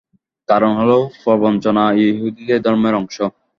কারণ হলো, প্রবঞ্চনা ইহুদীদের ধর্মের অংশ।